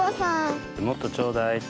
もっとちょうだいって。